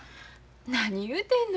何言うてんの。